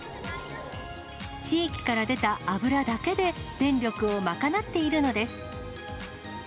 地域から出た油だけで、電力を賄っているのです。